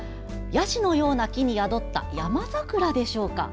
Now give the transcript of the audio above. ヤシのような木に宿った山桜でしょうか。